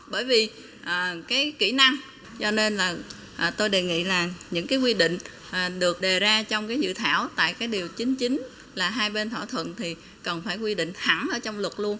bởi vì cái kỹ năng cho nên là tôi đề nghị là những cái quy định được đề ra trong cái dự thảo tại cái điều chính chính là hai bên thỏa thuận thì cần phải quy định thẳng ở trong luật luôn